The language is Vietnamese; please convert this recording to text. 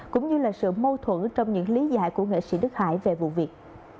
cũng như là sự mâu thuẫn trong những lý giải của nghệ sĩ đức hải về vụ việc